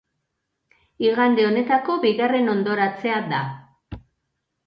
Igande honetako bigarren hondoratzea da.